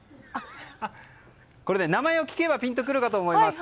これ、名前を聞けばピンと来るかと思います。